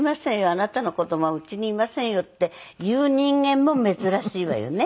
「あなたの子供は家にいませんよ」って言う人間も珍しいわよね。